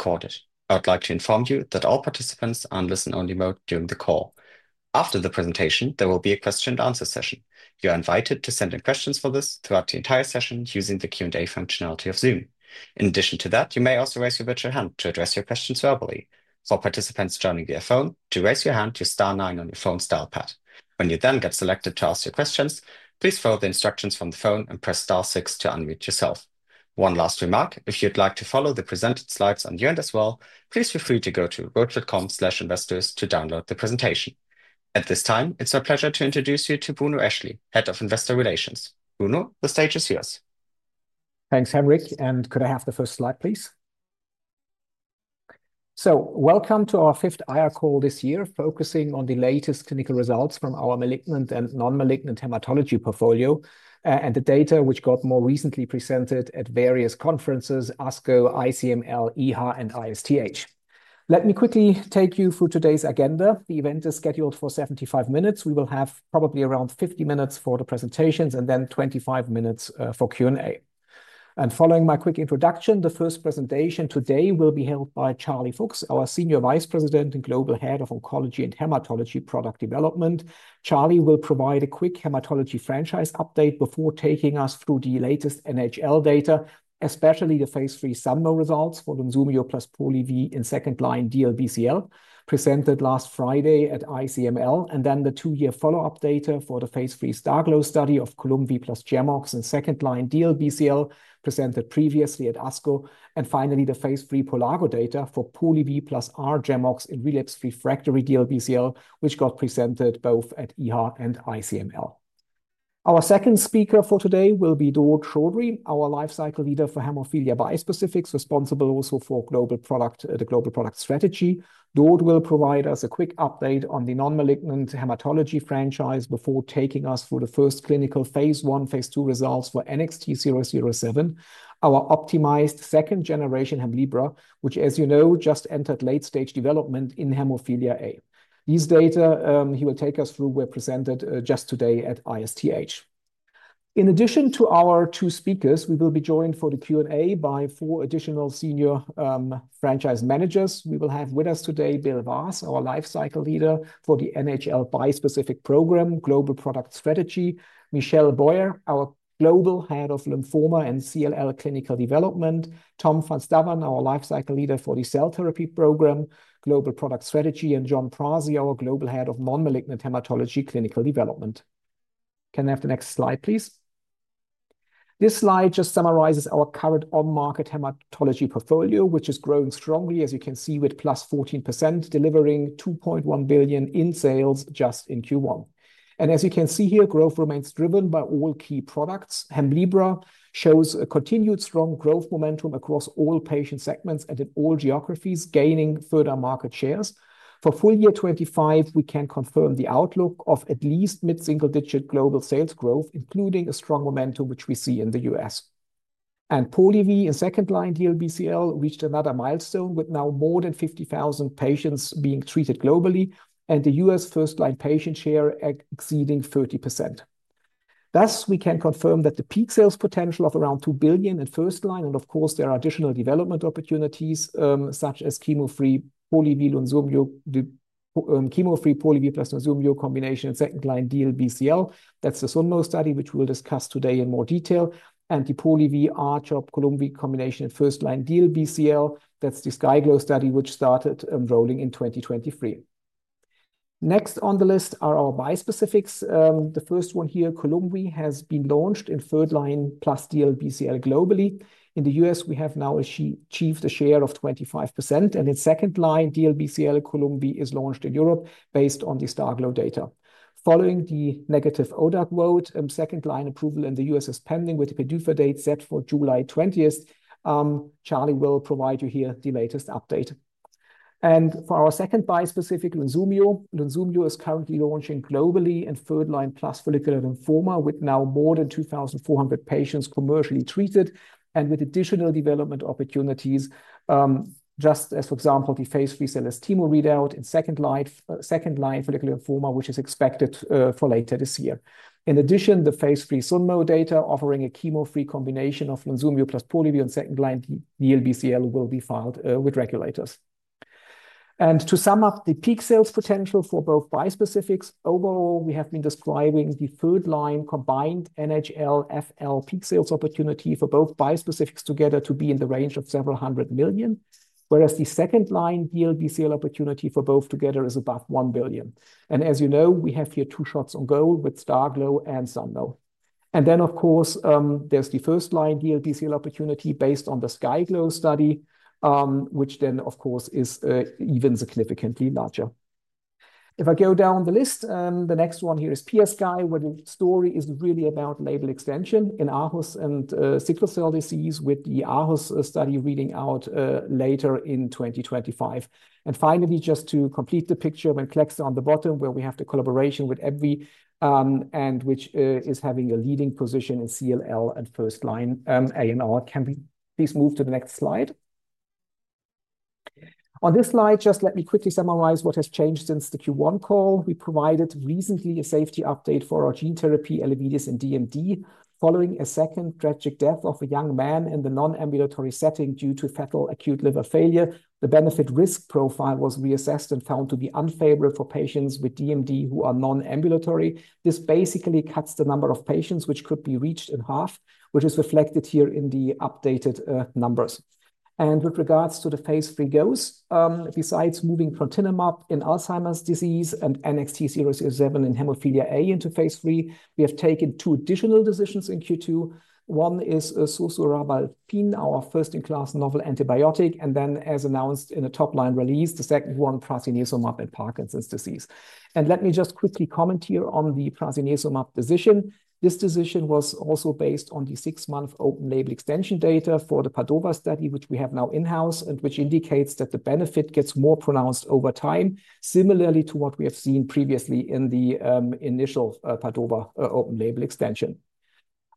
Recorded. I would like to inform you that all participants are on listen-only mode during the call. After the presentation, there will be a question-and-answer session. You are invited to send in questions for this throughout the entire session using the Q&A functionality of Zoom. In addition to that, you may also raise your virtual hand to address your questions verbally. For participants joining via phone, to raise your hand, use star nine on your phone's dial pad. When you then get selected to ask your questions, please follow the instructions from the phone and press star six to unmute yourself. One last remark: if you'd like to follow the presented slides on your end as well, please feel free to go to roche.com/investors to download the presentation. At this time, it's my pleasure to introduce you to Bruno Eschli, Head of Investor Relations. Bruno, the stage is yours. Thanks, Henrik. Could I have the first slide, please? Welcome to our fifth IR call this year, focusing on the latest clinical results from our malignant and non-malignant hematology portfolio and the data which got more recently presented at various conferences: ASCO, ICML, EHA, and ISTH. Let me quickly take you through today's agenda. The event is scheduled for 75 minutes. We will have probably around 50 minutes for the presentations and then 25 minutes for Q&A. Following my quick introduction, the first presentation today will be held by Charlie Fuchs, our Senior Vice President and Global Head of Oncology and Hematology Product Development. Charlie will provide a quick hematology franchise update before taking us through the latest NHL data, especially the phase III SUNMO results for LUNSUMIO plus Polivy in second line DLBCL, presented last Friday at ICML, and then the two-year follow-up data for the phase III STARGLO study of Columvi plus GemOx in second line DLBCL, presented previously at ASCO. Finally, the phase III POLARGO data for Polivy plus R-GemOx in relapsed refractory DLBCL, which got presented both at EHA and ICML. Our second speaker for today will be Daud Chaudry, our Life Cycle Leader for Hemophilia Bispecifics, responsible also for the Global Product Strategy. Daud will provide us a quick update on the non-malignant hematology franchise before taking us through the first clinical phase I, phase II results for NXT007, our optimized second generation Hemlibra, which, as you know, just entered late stage development in Hemophilia A. These data he will take us through were presented just today at ISTH. In addition to our two speakers, we will be joined for the Q&A by four additional senior franchise managers. We will have with us today Will Waas, our Lifecycle Leader for the NHL Bispecific Program, Global Product Strategy; Michelle Boyer, our Global Head of Lymphoma and CLL Clinical Development; Tom van Staven, our Lifecycle Leader for the Cell Therapy Program, Global Product Strategy; and John Pasi, our Global Head of Non-Malignant Hematology Clinical Development. Can I have the next slide, please? This slide just summarizes our current on-market hematology portfolio, which is growing strongly, as you can see, with +14%, delivering $2.1 billion in sales just in Q1. As you can see here, growth remains driven by all key products. Hemlibra shows a continued strong growth momentum across all patient segments and in all geographies, gaining further market shares. For full year 2025, we can confirm the outlook of at least mid-single digit global sales growth, including a strong momentum which we see in the U.S. Polivy in second line DLBCL reached another milestone with now more than 50,000 patients being treated globally and the U.S. first line patient share exceeding 30%. Thus, we can confirm that the peak sales potential of around $2 billion in first line, and of course, there are additional development opportunities such as chemo free Polivy plus LUNSUMIO combination in second line DLBCL. That is the SUNMO study, which we will discuss today in more detail, and the Polivy R-CHOP Columvi combination in first line DLBCL. That is the SKYGLO study, which started enrolling in 2023. Next on the list are our bispecifics. The first one here, Columvi, has been launched in third line plus DLBCL globally. In the US, we have now achieved a share of 25%, and in second line DLBCL, Columvi is launched in Europe based on the SKYGLO data. Following the negative ODAC vote, second line approval in the US is pending with the PDUFA date set for July 20th. Charlie will provide you here the latest update. For our second bispecific, LUNSUMIO, LUNSUMIO is currently launching globally in third line plus follicular lymphoma with now more than 2,400 patients commercially treated and with additional development opportunities, just as, for example, the phase III cellular chemo readout in second line follicular lymphoma, which is expected for later this year. In addition, the phase III SUNMO data, offering a chemo free combination of LUNSUMIO plus Polivy in second line DLBCL, will be filed with regulators. To sum up the peak sales potential for both bispecifics, overall, we have been describing the third line combined NHL FL peak sales opportunity for both bispecifics together to be in the range of several hundred million, whereas the second line DLBCL opportunity for both together is above $1 billion. As you know, we have here two shots on goal with STARGLO and SUNMO. Of course, there is the first line DLBCL opportunity based on the SKYGLO study, which then is even significantly larger. If I go down the list, the next one here is PiaSky, where the story is really about label extension in aHUS and sickle cell disease with the aHUS study reading out later in 2025. Finally, just to complete the picture, when Venclexta on the bottom, where we have the collaboration with AbbVie and which is having a leading position in CLL and first-line AML, can we please move to the next slide? On this slide, just let me quickly summarize what has changed since the Q1 call. We provided recently a safety update for our gene therapy, Elevidys in DMD, following a second tragic death of a young man in the non-ambulatory setting due to fatal acute liver failure. The benefit-risk profile was reassessed and found to be unfavorable for patients with DMD who are non-ambulatory. This basically cuts the number of patients which could be reached in half, which is reflected here in the updated numbers. With regards to the phase III goals, besides moving Trontinemab up in Alzheimer's disease and NXT007 in Hemophilia A into phase III, we have taken two additional decisions in Q2. One is zosurabalpin, our first in class novel antibiotic, and then, as announced in a top line release, the second one, prasinezumab in Parkinson's disease. Let me just quickly comment here on the prasinezumab decision. This decision was also based on the six-month open label extension data for the PADOVA study, which we have now in-house and which indicates that the benefit gets more pronounced over time, similarly to what we have seen previously in the initial PADOVA open label extension.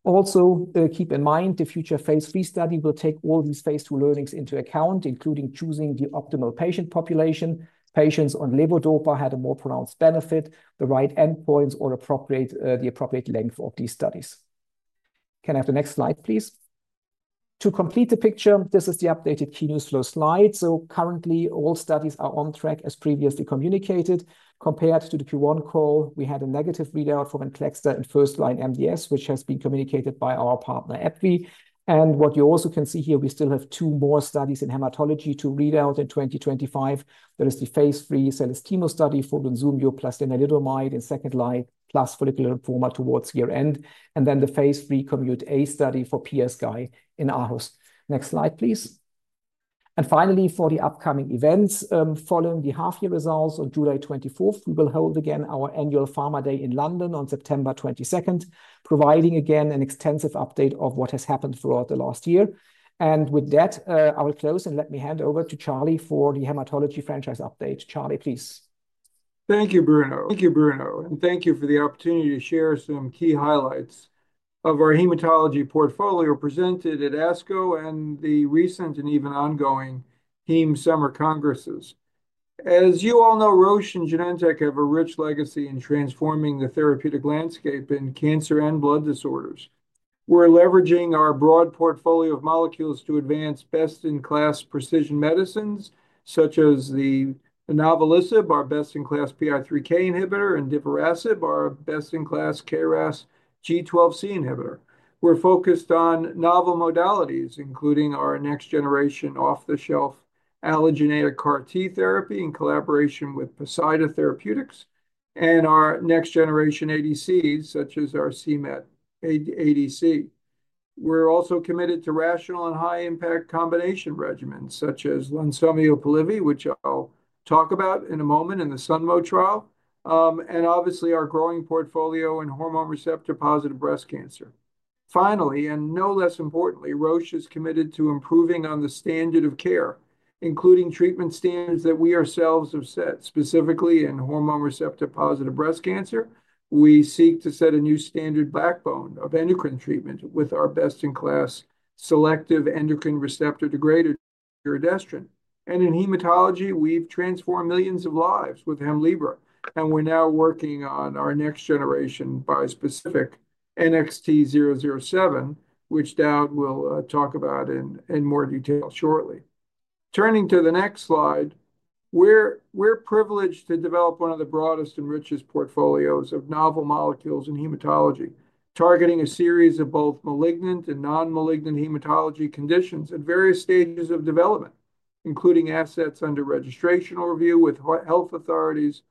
Also, keep in mind, the future phase III study will take all these phase II learnings into account, including choosing the optimal patient population. Patients on levodopa had a more pronounced benefit, the right endpoints, or the appropriate length of these studies. Can I have the next slide, please? To complete the picture, this is the updated key news flow slide. Currently, all studies are on track as previously communicated. Compared to the Q1 call, we had a negative readout for Venclexta in first-line MDS, which has been communicated by our partner AbbVie. What you also can see here, we still have two more studies in hematology to read out in 2025. There is the phase III CELLO chemo study for LUNSUMIO plus lenalidomide in second-line plus follicular lymphoma towards year end, and then the phase III COMMUTE-A study for PiaSky in aHUS. Next slide, please. Finally, for the upcoming events, following the half-year results on July 24th, we will hold again our annual Pharma Day in London on September 22nd, providing again an extensive update of what has happened throughout the last year. With that, I will close and let me hand over to Charlie for the hematology franchise update. Charlie, please. Thank you, Bruno, and thank you for the opportunity to share some key highlights of our hematology portfolio presented at ASCO and the recent and even ongoing Heme Summer Congresses. As you all know, Roche and Genentech have a rich legacy in transforming the therapeutic landscape in cancer and blood disorders. We're leveraging our broad portfolio of molecules to advance best-in-class precision medicines such as inavolisib, our best-in-class PI3K inhibitor, and divarasib, our best-in-class KRAS G12C inhibitor. We're focused on novel modalities, including our next-generation off-the-shelf allogeneic CAR T therapy in collaboration with Poseida Therapeutics and our next-generation ADCs such as our cMET ADC. We're also committed to rational and high-impact combination regimens such as LUNSUMIO-Polivy, which I'll talk about in a moment in the SUNMO trial, and obviously our growing portfolio in hormone receptor-positive breast cancer. Finally, and no less importantly, Roche is committed to improving on the standard of care, including treatment standards that we ourselves have set, specifically in hormone receptor-positive breast cancer. We seek to set a new standard backbone of endocrine treatment with our best-in-class selective endocrine receptor degrader giredestrant. And in hematology, we've transformed millions of lives with Hemlibra, and we're now working on our next-generation bispecific NXT007, which Daud will talk about in more detail shortly. Turning to the next slide, we're privileged to develop one of the broadest and richest portfolios of novel molecules in hematology, targeting a series of both malignant and non-malignant hematology conditions at various stages of development, including assets under registration review with health authorities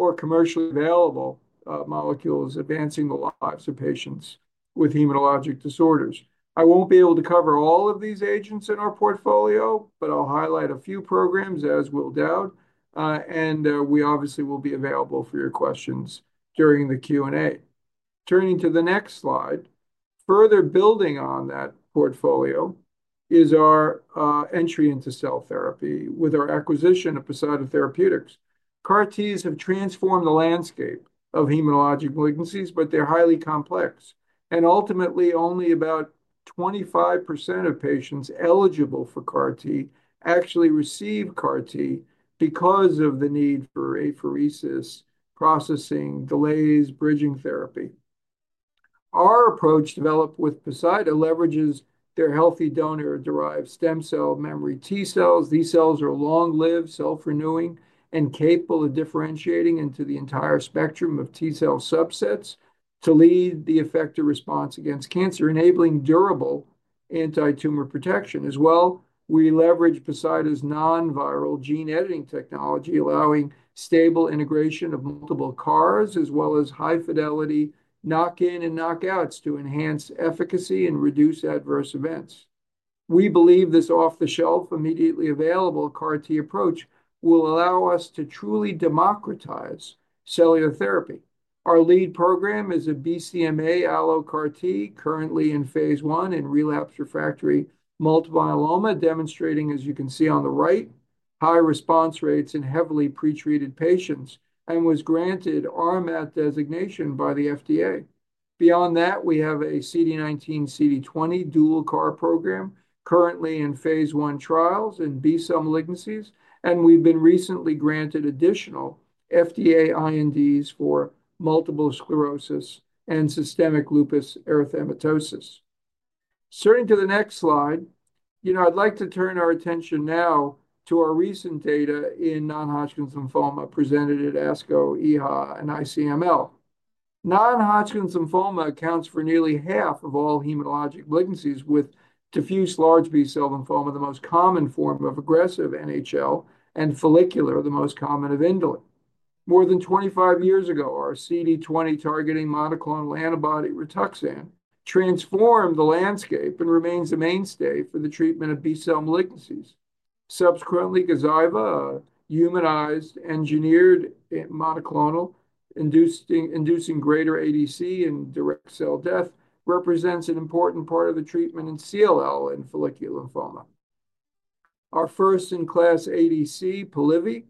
or commercially available molecules advancing the lives of patients with hematologic disorders. I won't be able to cover all of these agents in our portfolio, but I'll highlight a few programs, as will Daud, and we obviously will be available for your questions during the Q&A. Turning to the next slide, further building on that portfolio is our entry into cell therapy with our acquisition of Poseida Therapeutics. CAR Ts have transformed the landscape of hematologic malignancies, but they're highly complex. Ultimately, only about 25% of patients eligible for CAR T actually receive CAR T because of the need for apheresis, processing delays, bridging therapy. Our approach developed with Poseida leverages their healthy donor-derived stem cell memory T cells. These cells are long-lived, self-renewing, and capable of differentiating into the entire spectrum of T cell subsets to lead the effector response against cancer, enabling durable anti-tumor protection. As well, we leverage Poseida’s non-viral gene editing technology, allowing stable integration of multiple CARs, as well as high-fidelity knock-in and knock-outs to enhance efficacy and reduce adverse events. We believe this off-the-shelf, immediately available CAR T approach will allow us to truly democratize cellular therapy. Our lead program is a BCMA AlloCAR T, currently in phase I in relapsed refractory multiple myeloma, demonstrating, as you can see on the right, high response rates in heavily pretreated patients and was granted RMAT designation by the FDA. Beyond that, we have a CD19, CD20 dual CAR program currently in phase I trials in B-cell malignancies, and we’ve been recently granted additional FDA INDs for multiple sclerosis and systemic lupus erythematosus. Turning to the next slide, you know I’d like to turn our attention now to our recent data in non-Hodgkin lymphoma presented at ASCO, EHA, and ICML. Non-Hodgkin lymphoma accounts for nearly half of all hematologic malignancies with diffuse large B-cell lymphoma, the most common form of aggressive NHL, and follicular, the most common of indolent. More than 25 years ago, our CD20 targeting monoclonal antibody Rituxan transformed the landscape and remains the mainstay for the treatment of B-cell malignancies. Subsequently, Gazyva, a humanized engineered monoclonal inducing greater ADC and direct cell death, represents an important part of the treatment in CLL and follicular lymphoma. Our first in class ADC, Polivy,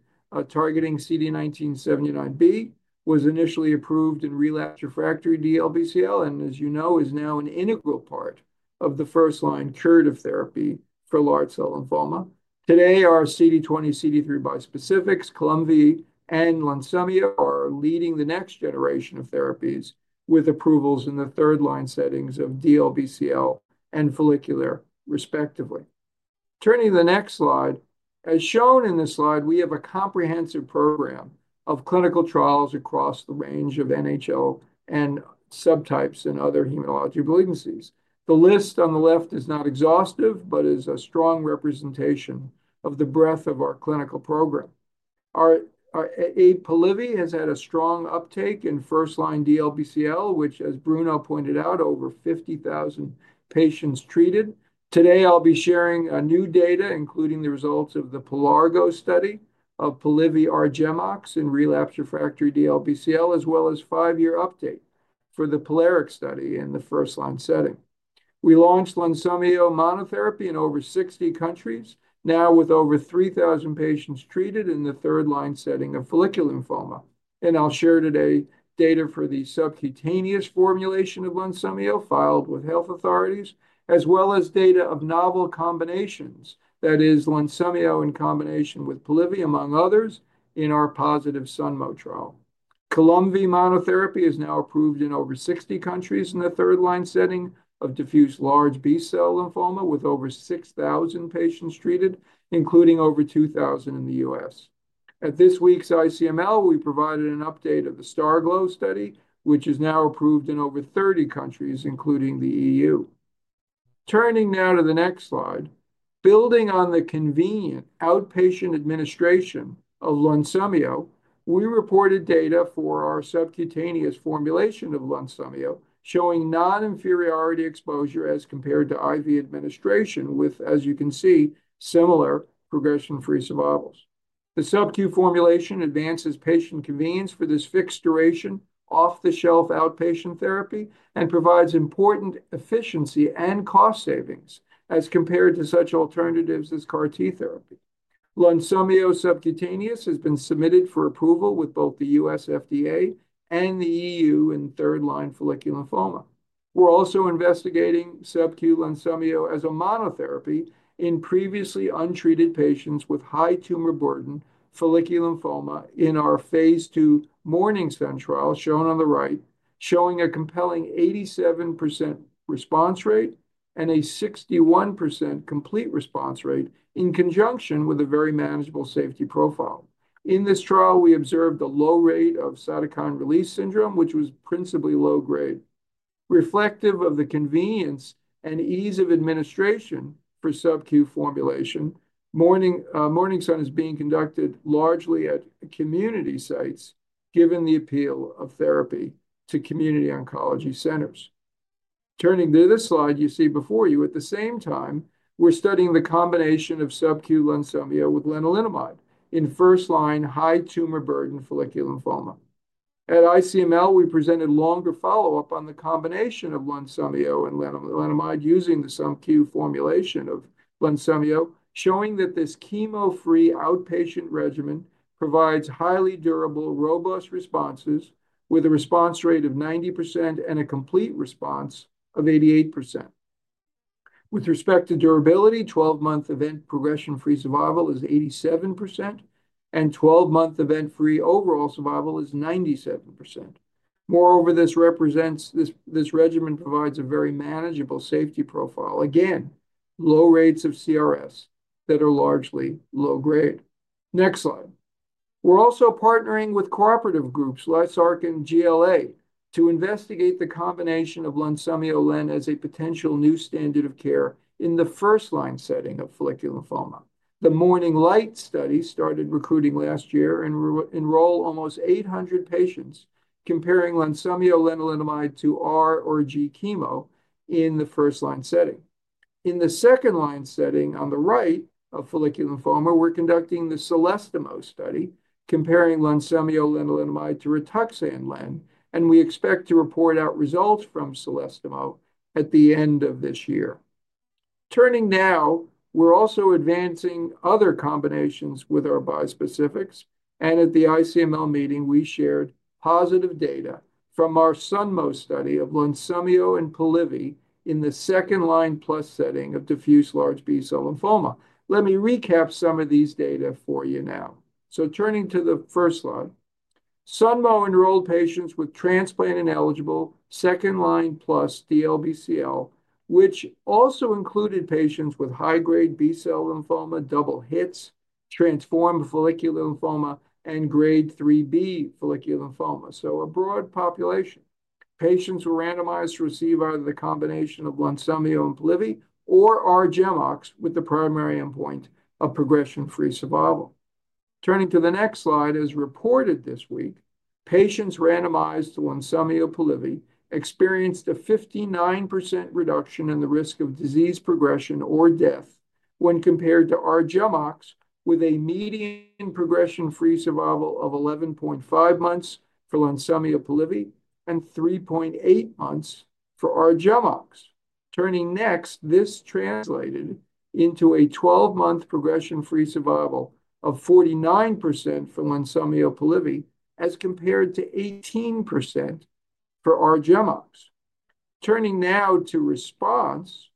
targeting CD19, was initially approved in relapsed refractory DLBCL and, as you know, is now an integral part of the first line curative therapy for large cell lymphoma. Today, our CD20, CD3 bispecifics, Columvi, and LUNSUMIO are leading the next generation of therapies with approvals in the third line settings of DLBCL and follicular, respectively. Turning to the next slide, as shown in this slide, we have a comprehensive program of clinical trials across the range of NHL and subtypes in other hematologic malignancies. The list on the left is not exhaustive, but is a strong representation of the breadth of our clinical program. Our aid, Polivy, has had a strong uptake in first line DLBCL, which, as Bruno pointed out, over 50,000 patients treated. Today, I'll be sharing new data, including the results of the POLARGO study of Polivy-R-GemOx in relapsed refractory DLBCL, as well as a five-year update for the POLARIX study in the first line setting. We launched LUNSUMIO monotherapy in over 60 countries, now with over 3,000 patients treated in the third line setting of follicular lymphoma. I'll share today data for the subcutaneous formulation of LUNSUMIO filed with health authorities, as well as data of novel combinations, that is, LUNSUMIO in combination with Polivy, among others, in our positive SUNMO trial. Columvi monotherapy is now approved in over 60 countries in the third line setting of diffuse large B-cell lymphoma with over 6,000 patients treated, including over 2,000 in the US. At this week's ICML, we provided an update of the STARGLO study, which is now approved in over 30 countries, including the EU. Turning now to the next slide, building on the convenient outpatient administration of LUNSUMIO, we reported data for our subcutaneous formulation of LUNSUMIO showing non-inferiority exposure as compared to IV administration with, as you can see, similar progression-free survivals. The subQ formulation advances patient convenience for this fixed duration off-the-shelf outpatient therapy and provides important efficiency and cost savings as compared to such alternatives as CAR T therapy. LUNSUMIO subcutaneous has been submitted for approval with both the US FDA and the EU in third line follicular lymphoma. We're also investigating subQ LUNSUMIO as a monotherapy in previously untreated patients with high tumor burden follicular lymphoma in our phase II MorningSun trial shown on the right, showing a compelling 87% response rate and a 61% complete response rate in conjunction with a very manageable safety profile. In this trial, we observed a low rate of cytokine release syndrome, which was principally low grade, reflective of the convenience and ease of administration for subQ formulation. MorningSun is being conducted largely at community sites, given the appeal of therapy to community oncology centers. Turning to this slide, you see before you, at the same time, we're studying the combination of subQ LUNSUMIO with lenalidomide in first line high tumor burden follicular lymphoma. At ICML, we presented longer follow-up on the combination of LUNSUMIO and lenalidomide using the subQ formulation of LUNSUMIO, showing that this chemo-free outpatient regimen provides highly durable, robust responses with a response rate of 90% and a complete response of 88%. With respect to durability, 12-month event progression-free survival is 87%, and 12-month event-free overall survival is 97%. Moreover, this regimen provides a very manageable safety profile. Again, low rates of CRS that are largely low grade. Next slide. We're also partnering with cooperative groups like SAKK and GLA to investigate the combination of LUNSUMIO-Len as a potential new standard of care in the first line setting of follicular lymphoma. The Morning Light study started recruiting last year and enrolled almost 800 patients comparing LUNSUMIO-lenalidomide to R or G chemo in the first line setting. In the second line setting on the right of follicular lymphoma, we're conducting the Celestimo study comparing LUNSUMIO-lenalidomide to Rituxan Len, and we expect to report out results from Celestimo at the end of this year. Turning now, we're also advancing other combinations with our bispecifics, and at the ICML meeting, we shared positive data from our SUNMO study of LUNSUMIO and Polivy in the second line plus setting of diffuse large B-cell lymphoma. Let me recap some of these data for you now. Turning to the first slide, SUNMO enrolled patients with transplant-ineligible second line plus DLBCL, which also included patients with high-grade B-cell lymphoma, double hits, transformed follicular lymphoma, and grade 3B follicular lymphoma. A broad population. Patients were randomized to receive either the combination of LUNSUMIO and Polivy or R-GemOx with the primary endpoint of progression-free survival. Turning to the next slide, as reported this week, patients randomized to LUNSUMIO and Polivy experienced a 59% reduction in the risk of disease progression or death when compared to R-GemOx, with a median progression-free survival of 11.5 months for LUNSUMIO and Polivy and 3.8 months for R-GemOx. Turning next, this translated into a 12-month progression-free survival of 49% for LUNSUMIO and Polivy as compared to 18% for R-GemOx. Turning now to response,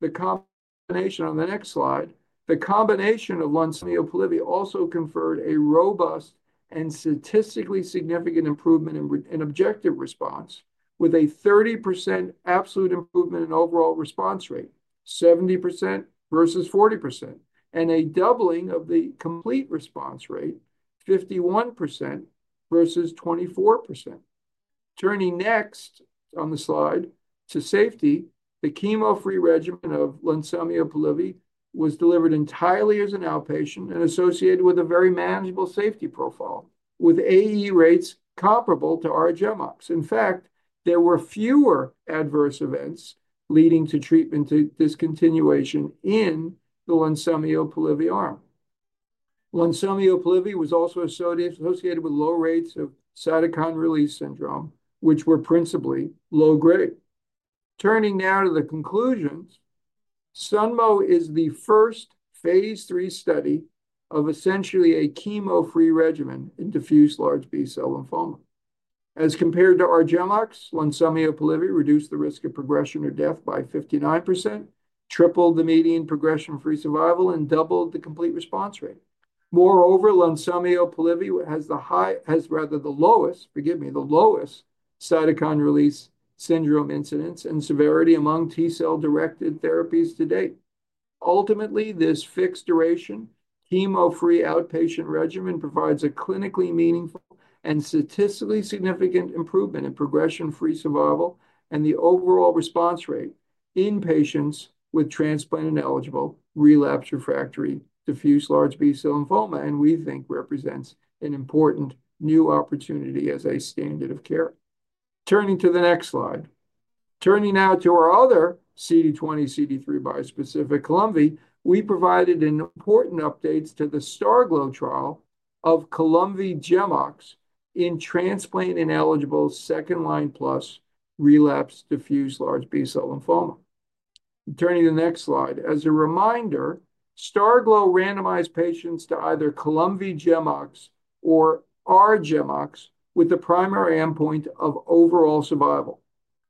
the combination on the next slide, the combination of LUNSUMIO and Polivy also conferred a robust and statistically significant improvement in objective response, with a 30% absolute improvement in overall response rate, 70% versus 40%, and a doubling of the complete response rate, 51% versus 24%. Turning next on the slide to safety, the chemo-free regimen of LUNSUMIO and Polivy was delivered entirely as an outpatient and associated with a very manageable safety profile, with AE rates comparable to R-GemOx. In fact, there were fewer adverse events leading to treatment discontinuation in the LUNSUMIO and Polivy arm. LUNSUMIO and Polivy was also associated with low rates of cytokine release syndrome, which were principally low grade. Turning now to the conclusions, SUNMO is the first phase III study of essentially a chemo-free regimen in diffuse large B-cell lymphoma. As compared to R-GemOx, LUNSUMIO and Polivy reduced the risk of progression or death by 59%, tripled the median progression-free survival, and doubled the complete response rate. Moreover, LUNSUMIO and Polivy has the high, has rather the lowest, forgive me, the lowest cytokine release syndrome incidence and severity among T cell directed therapies to date. Ultimately, this fixed duration chemo-free outpatient regimen provides a clinically meaningful and statistically significant improvement in progression-free survival and the overall response rate in patients with transplant-ineligible relapsed refractory diffuse large B-cell lymphoma, and we think represents an important new opportunity as a standard of care. Turning to the next slide. Turning now to our other CD20xCD3 bispecific, Columvi, we provided important updates to the STARGLO trial of Columvi-GemOx in transplant-ineligible second line plus relapsed diffuse large B-cell lymphoma. Turning to the next slide. As a reminder, STARGLO randomized patients to either Columvi-GemOx or R-GemOx with the primary endpoint of overall survival,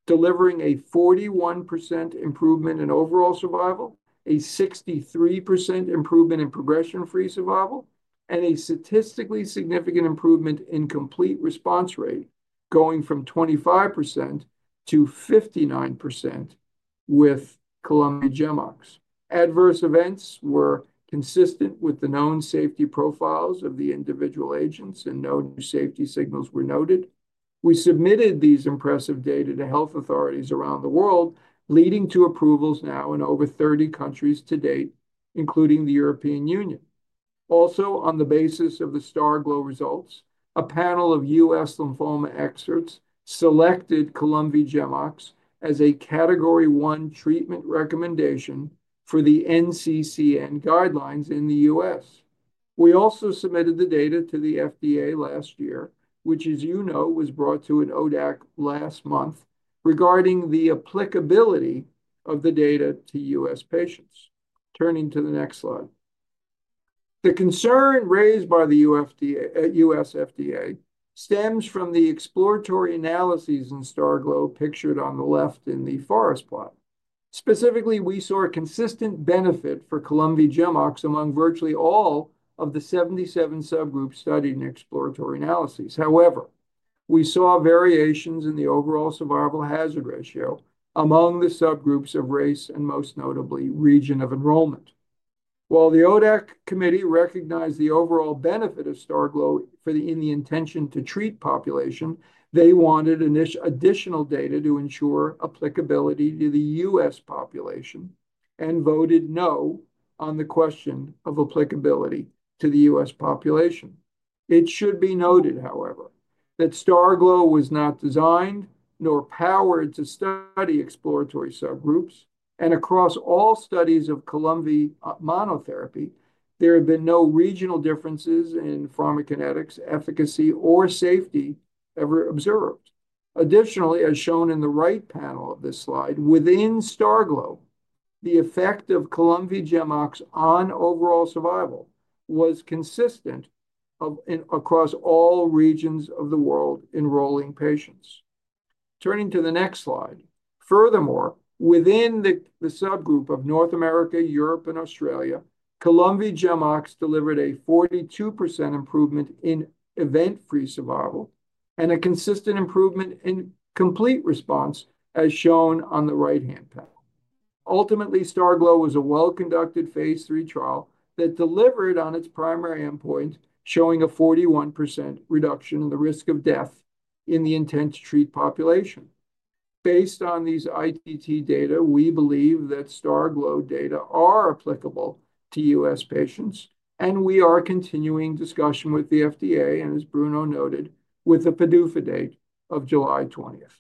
delivering a 41% improvement in overall survival, a 63% improvement in progression-free survival, and a statistically significant improvement in complete response rate going from 25% to 59% with Columvi-GemOx. Adverse events were consistent with the known safety profiles of the individual agents and no new safety signals were noted. We submitted these impressive data to health authorities around the world, leading to approvals now in over 30 countries to date, including the European Union. Also, on the basis of the STARGLO results, a panel of US lymphoma experts selected Columvi-GemOx as a category one treatment recommendation for the NCCN guidelines in the US. We also submitted the data to the FDA last year, which, as you know, was brought to an ODAC last month regarding the applicability of the data to US patients. Turning to the next slide. The concern raised by the US FDA stems from the exploratory analyses in STARGLO pictured on the left in the forest plot. Specifically, we saw a consistent benefit for Columvi-GemOx among virtually all of the 77 subgroups studied in exploratory analyses. However, we saw variations in the overall survival hazard ratio among the subgroups of race and most notably region of enrollment. While the ODAC committee recognized the overall benefit of STARGLO in the intention to treat population, they wanted additional data to ensure applicability to the U.S. population and voted no on the question of applicability to the U.S. population. It should be noted, however, that STARGLO was not designed nor powered to study exploratory subgroups, and across all studies of Columvi monotherapy, there have been no regional differences in pharmacokinetics, efficacy, or safety ever observed. Additionally, as shown in the right panel of this slide, within STARGLO, the effect of Columvi-GemOx on overall survival was consistent across all regions of the world enrolling patients. Turning to the next slide. Furthermore, within the subgroup of North America, Europe, and Australia, Columvi-GemOx delivered a 42% improvement in event-free survival and a consistent improvement in complete response as shown on the right-hand panel. Ultimately, STARGLO was a well-conducted phase III trial that delivered on its primary endpoint, showing a 41% reduction in the risk of death in the intent to treat population. Based on these ITT data, we believe that STARGLO data are applicable to US patients, and we are continuing discussion with the FDA, and as Bruno noted, with the PDUFA date of July 20th.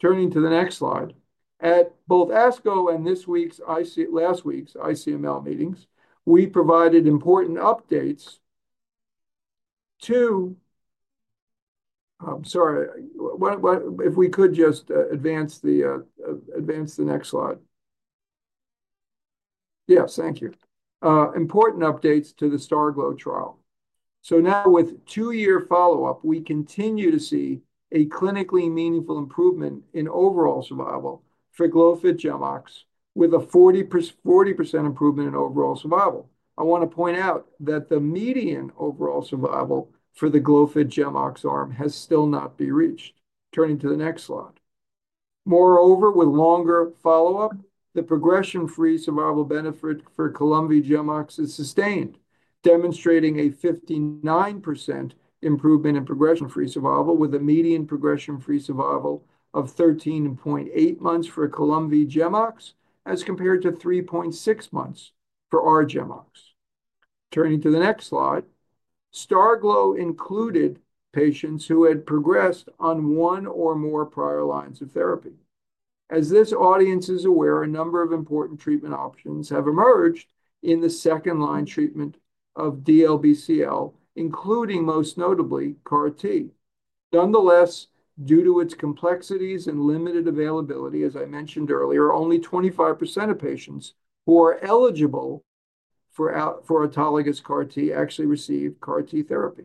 Turning to the next slide. At both ASCO and this week's ICML meetings, we provided important updates to, I'm sorry, if we could just advance the next slide. Yes, thank you. Important updates to the STARGLO trial. Now, with two-year follow-up, we continue to see a clinically meaningful improvement in overall survival for Columvi-GemOx with a 40% improvement in overall survival. I want to point out that the median overall survival for the Columvi-GemOx arm has still not been reached. Turning to the next slide. Moreover, with longer follow-up, the progression-free survival benefit for Columvi-GemOx is sustained, demonstrating a 59% improvement in progression-free survival with a median progression-free survival of 13.8 months for Columvi-GemOx as compared to 3.6 months for GemOx. Turning to the next slide, STARGLO included patients who had progressed on one or more prior lines of therapy. As this audience is aware, a number of important treatment options have emerged in the second line treatment of DLBCL, including most notably CAR T. Nonetheless, due to its complexities and limited availability, as I mentioned earlier, only 25% of patients who are eligible for autologous CAR T actually received CAR T therapy.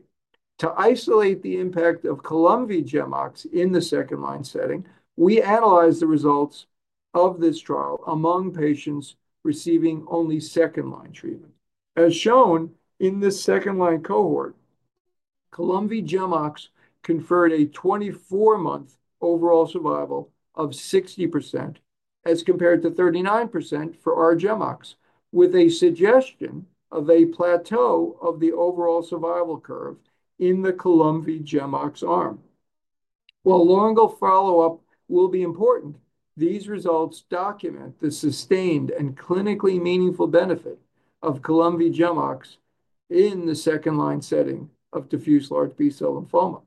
To isolate the impact of Columvi-GemOx in the second line setting, we analyzed the results of this trial among patients receiving only second line treatment. As shown in this second line cohort, Columvi-GemOx conferred a 24-month overall survival of 60% as compared to 39% for R-GemOx, with a suggestion of a plateau of the overall survival curve in the Columvi-GemOx arm. While longer follow-up will be important, these results document the sustained and clinically meaningful benefit of Columvi-GemOx in the second line setting of diffuse large B-cell lymphoma.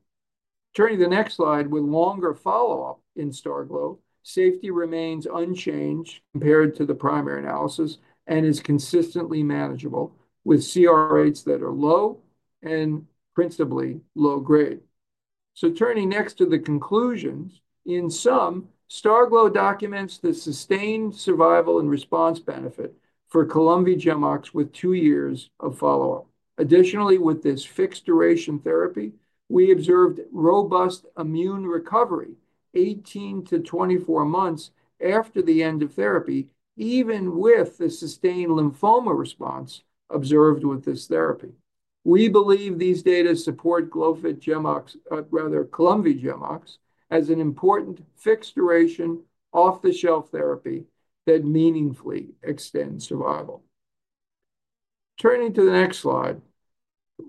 Turning to the next slide, with longer follow-up in STARGLO, safety remains unchanged compared to the primary analysis and is consistently manageable with CRS rates that are low and principally low grade. Turning next to the conclusions, in sum, STARGLO documents the sustained survival and response benefit for Columvi-GemOx with two years of follow-up. Additionally, with this fixed duration therapy, we observed robust immune recovery 18-24 months after the end of therapy, even with the sustained lymphoma response observed with this therapy. We believe these data support Columvi-GemOx as an important fixed duration off-the-shelf therapy that meaningfully extends survival. Turning to the next slide,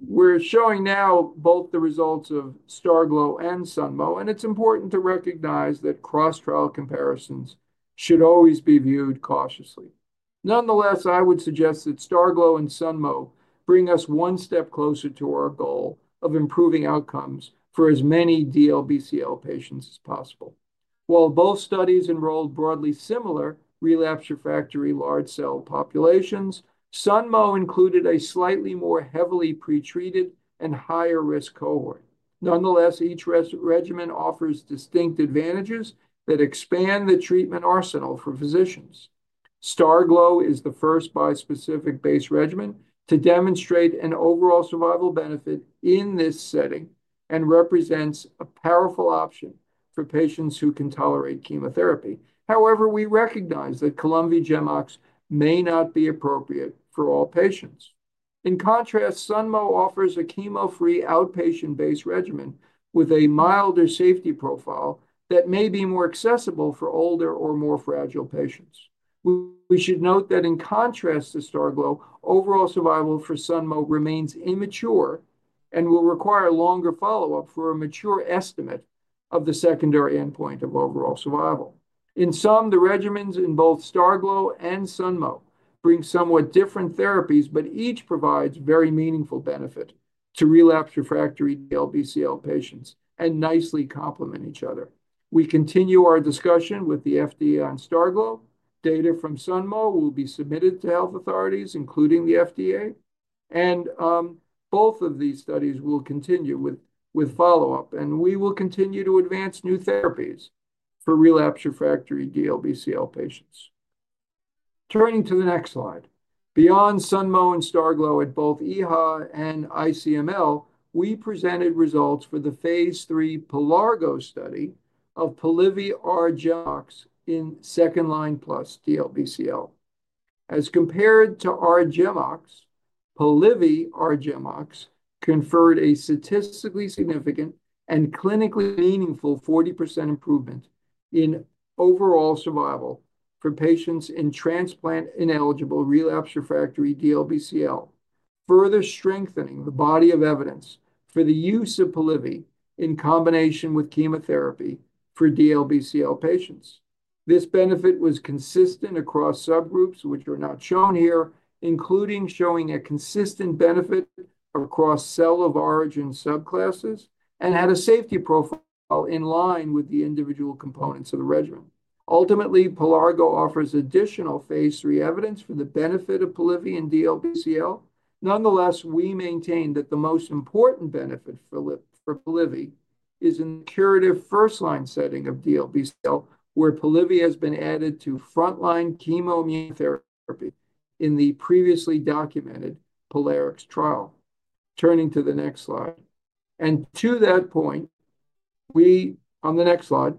we're showing now both the results of STARGLO and SUNMO, and it's important to recognize that cross-trial comparisons should always be viewed cautiously. Nonetheless, I would suggest that STARGLO and SUNMO bring us one step closer to our goal of improving outcomes for as many DLBCL patients as possible. While both studies enrolled broadly similar relapsed refractory large cell populations, SUNMO included a slightly more heavily pretreated and higher risk cohort. Nonetheless, each regimen offers distinct advantages that expand the treatment arsenal for physicians. STARGLO is the first bispecific-based regimen to demonstrate an overall survival benefit in this setting and represents a powerful option for patients who can tolerate chemotherapy. However, we recognize that Columvi-GemOx may not be appropriate for all patients. In contrast, SUNMO offers a chemo-free outpatient-based regimen with a milder safety profile that may be more accessible for older or more fragile patients. We should note that in contrast to STARGLO, overall survival for SUNMO remains immature and will require longer follow-up for a mature estimate of the secondary endpoint of overall survival. In sum, the regimens in both STARGLO and SUNMO bring somewhat different therapies, but each provides very meaningful benefit to relapsed refractory DLBCL patients and nicely complement each other. We continue our discussion with the FDA on STARGLO. Data from SUNMO will be submitted to health authorities, including the FDA, and both of these studies will continue with follow-up, and we will continue to advance new therapies for relapsed refractory DLBCL patients. Turning to the next slide. Beyond SUNMO and STARGLO at both EHA and ICML, we presented results for the phase III POLARGO study of Polivy-R-GemOx in second line plus DLBCL. As compared to R-GemOx, Polivy-R-GemOx conferred a statistically significant and clinically meaningful 40% improvement in overall survival for patients in transplant-ineligible relapsed refractory DLBCL, further strengthening the body of evidence for the use of Polivy in combination with chemotherapy for DLBCL patients. This benefit was consistent across subgroups, which are not shown here, including showing a consistent benefit across cell of origin subclasses and had a safety profile in line with the individual components of the regimen. Ultimately, POLARGO offers additional phase III evidence for the benefit of Polivy in DLBCL. Nonetheless, we maintain that the most important benefit for Polivy is in the curative first line setting of DLBCL, where Polivy has been added to front line chemoimmunotherapy in the previously documented POLARIX trial. Turning to the next slide. To that point, on the next slide,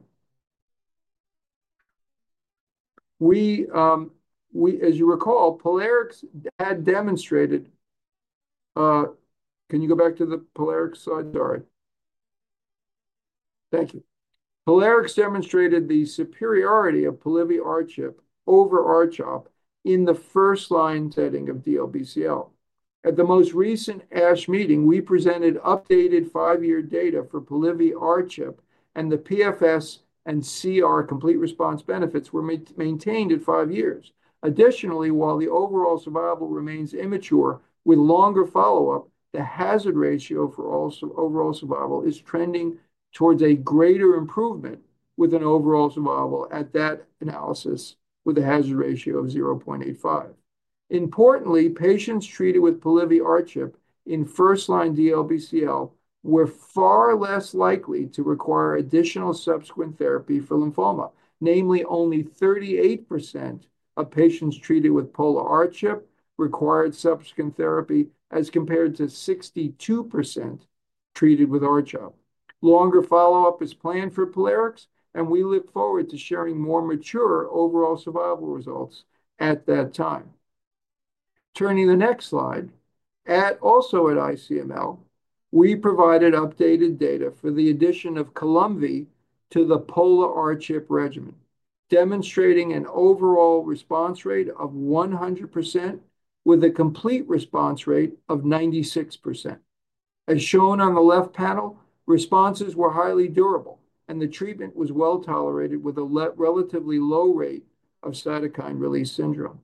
as you recall, POLARIX had demonstrated—can you go back to the POLARIX slide? Sorry. Thank you. POLARIX demonstrated the superiority of Polivy-R-CHP over R-CHOP in the first line setting of DLBCL. At the most recent ASH meeting, we presented updated five-year data for Polivy-R-CHP, and the PFS and CR complete response benefits were maintained at five years. Additionally, while the overall survival remains immature with longer follow-up, the hazard ratio for overall survival is trending towards a greater improvement with an overall survival at that analysis with a hazard ratio of 0.85. Importantly, patients treated with Polivy-R-CHP in first line DLBCL were far less likely to require additional subsequent therapy for lymphoma. Namely, only 38% of patients treated with Polivy required subsequent therapy as compared to 62% treated with R-CHOP. Longer follow-up is planned for Polivy, and we look forward to sharing more mature overall survival results at that time. Turning to the next slide. Also at ICML, we provided updated data for the addition of Columvi to the Polivy regimen, demonstrating an overall response rate of 100% with a complete response rate of 96%. As shown on the left panel, responses were highly durable, and the treatment was well tolerated with a relatively low rate of cytokine release syndrome.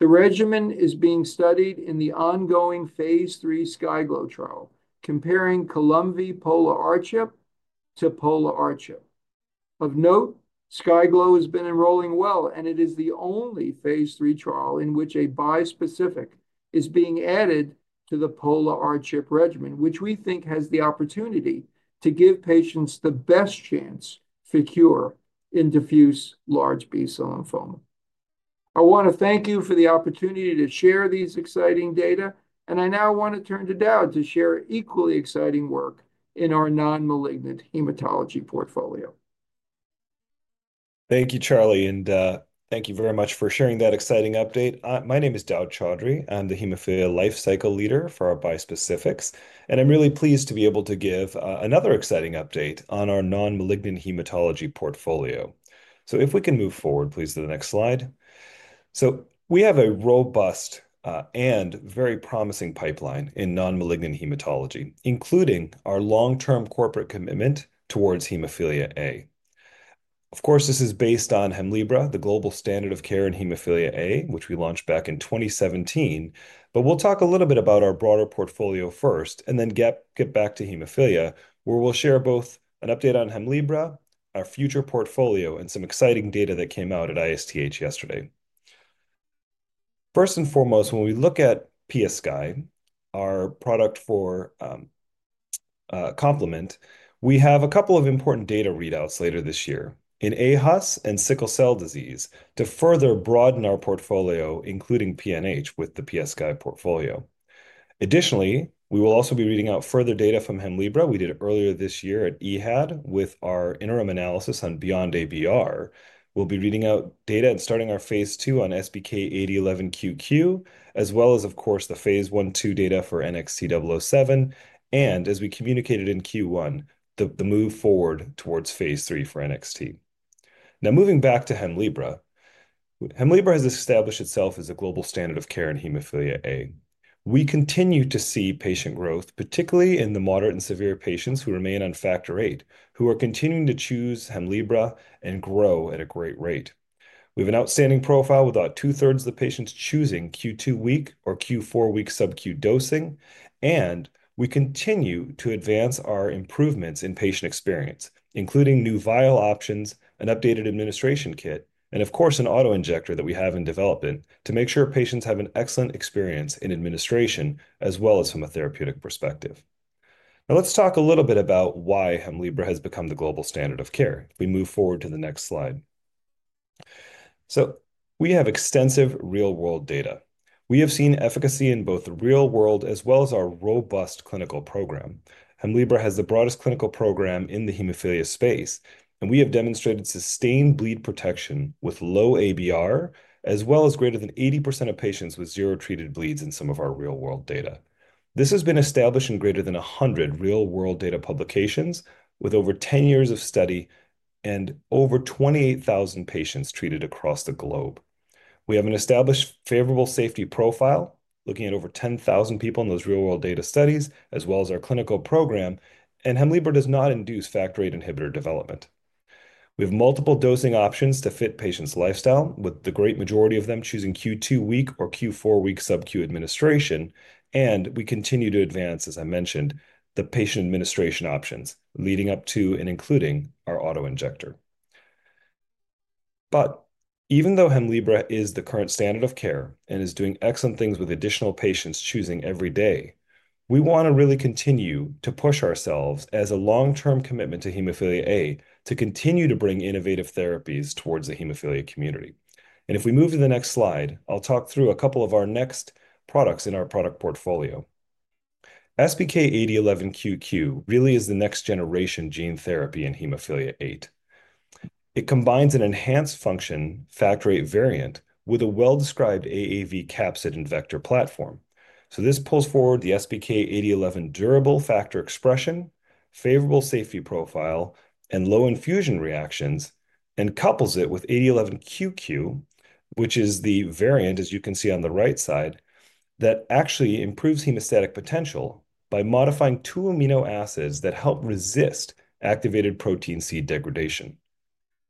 The regimen is being studied in the ongoing phase III SKYGLO trial, comparing Columvi-Polarics to Polarics. Of note, SKYGLO has been enrolling well, and it is the only phase III trial in which a bispecific is being added to the Polarics regimen, which we think has the opportunity to give patients the best chance for cure in diffuse large B-cell lymphoma. I want to thank you for the opportunity to share these exciting data, and I now want to turn to Daud to share equally exciting work in our non-malignant hematology portfolio. Thank you, Charlie, and thank you very much for sharing that exciting update. My name is Daud Chaudry. I'm the Hemophilia Lifecycle Leader for our Bispecifics, and I'm really pleased to be able to give another exciting update on our non-malignant hematology portfolio. If we can move forward, please, to the next slide. We have a robust and very promising pipeline in non-malignant hematology, including our long-term corporate commitment towards hemophilia A. Of course, this is based on Hemlibra, the global standard of care in hemophilia A, which we launched back in 2017. We'll talk a little bit about our broader portfolio first and then get back to hemophilia, where we'll share both an update on Hemlibra, our future portfolio, and some exciting data that came out at ISTH yesterday. First and foremost, when we look at PiaSky, our product for complement, we have a couple of important data readouts later this year in aHUS and sickle cell disease to further broaden our portfolio, including PNH with the PiaSky portfolio. Additionally, we will also be reading out further data from Hemlibra. We did it earlier this year at EHA with our interim analysis on beyond ABR. We'll be reading out data and starting our phase II on SBK8011QQ, as well as, of course, the phase I two data for NXT007, and as we communicated in Q1, the move forward towards phase III for NXT007. Now, moving back to Hemlibra, Hemlibra has established itself as a global standard of care in hemophilia A. We continue to see patient growth, particularly in the moderate and severe patients who remain on factor VIII, who are continuing to choose Hemlibra and grow at a great rate. We have an outstanding profile with about two-thirds of the patients choosing Q2 week or Q4 week subcu dosing, and we continue to advance our improvements in patient experience, including new vial options, an updated administration kit, and of course, an auto injector that we have in development to make sure patients have an excellent experience in administration as well as from a therapeutic perspective. Now, let's talk a little bit about why Hemlibra has become the global standard of care. If we move forward to the next slide. We have extensive real-world data. We have seen efficacy in both the real world as well as our robust clinical program. Hemlibra has the broadest clinical program in the hemophilia space, and we have demonstrated sustained bleed protection with low ABR, as well as greater than 80% of patients with zero treated bleeds in some of our real-world data. This has been established in greater than 100 real-world data publications with over 10 years of study and over 28,000 patients treated across the globe. We have an established favorable safety profile looking at over 10,000 people in those real-world data studies, as well as our clinical program, and Hemlibra does not induce factor VIII inhibitor development. We have multiple dosing options to fit patients' lifestyle, with the great majority of them choosing Q2 week or Q4 week subcu administration, and we continue to advance, as I mentioned, the patient administration options leading up to and including our auto injector. Even though Hemlibra is the current standard of care and is doing excellent things with additional patients choosing every day, we want to really continue to push ourselves as a long-term commitment to hemophilia A to continue to bring innovative therapies towards the hemophilia community. If we move to the next slide, I'll talk through a couple of our next products in our product portfolio. SBK8011QQ really is the next generation gene therapy in hemophilia A. It combines an enhanced function factor VIII variant with a well-described AAV capsid and vector platform. This pulls forward the SBK8011 durable factor expression, favorable safety profile, and low infusion reactions, and couples it with 8011QQ, which is the variant, as you can see on the right side, that actually improves hemostatic potential by modifying two amino acids that help resist activated protein C degradation.